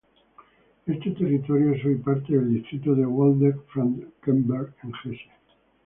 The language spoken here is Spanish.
Este territorio es hoy parte del distrito de Waldeck-Frankenberg en Hesse.